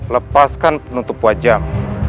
lepaskan penutup wajah